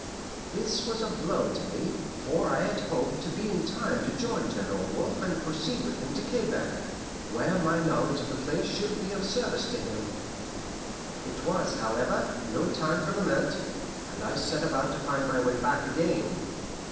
This was a blow to me, for I had hoped to be in time to join General Wolfe and proceed with him to Quebec, where my knowledge of the place should be of service to him. It was, however, no time for lament, and I set about to find my way back again.